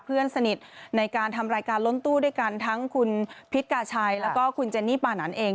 เพื่อนสนิทในการทำรายการล้นตู้ด้วยกันทั้งคุณพิษกาชัยแล้วก็คุณเจนนี่ปานันเอง